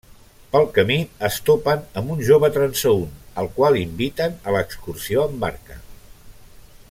Pel camí es topen amb un jove transeünt al qual inviten a l'excursió amb barca.